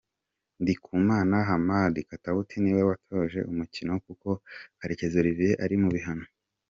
Ndikumana Hamadi Katauti niwe watoje umukino kuko Karekezi Olivier ari mu bihano.